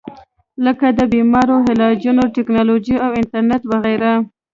لکه د بيمارو علاجونه ، ټېکنالوجي او انټرنيټ وغېره